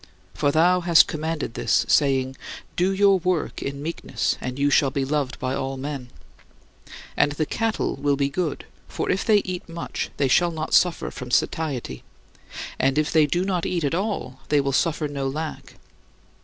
For thou hast commanded this, saying: "Do your work in meekness and you shall be loved by all men." And the cattle will be good, for if they eat much they shall not suffer from satiety; and if they do not eat at all they will suffer no lack.